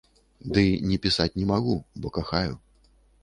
Ды не пісаць не магу, бо кахаю.